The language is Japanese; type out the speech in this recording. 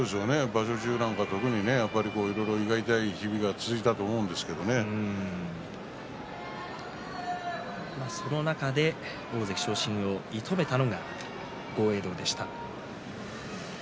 場所中なんかね胃が痛い日々が続いたとその中で大関昇進を射止めたのが豪栄道でした。